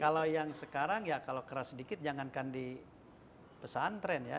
kalau yang sekarang ya kalau keras sedikit jangankan di pesantren ya